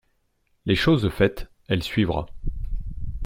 Les choses faites, elle suivra.